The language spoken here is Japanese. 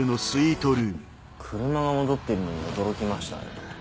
車が戻っているのには驚きましたね。